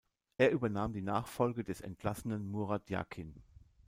Er übernahm die Nachfolge des entlassenen Murat Yakin.